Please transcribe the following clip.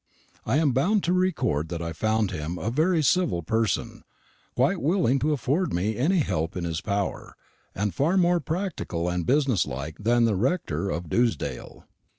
I am bound to record that I found him a very civil person, quite willing to afford me any help in his power, and far more practical and business like than the rector of Dewsdale.